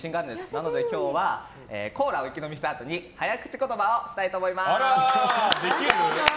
なので今日はコーラを一気飲みしたあとに早口言葉をしたいと思います。